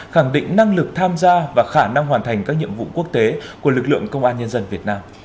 khẳng định năng lực tham gia và khả năng hoàn thành các nhiệm vụ quốc tế của lực lượng công an nhân dân việt nam